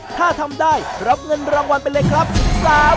ถ้าทำได้รับเงินรางวัลไปเลยครับ๓๐๐๐๐บาท